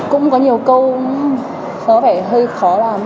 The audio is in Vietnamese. cũng có nhiều câu có vẻ hơi khó làm